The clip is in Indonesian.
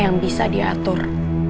yang bisa diatur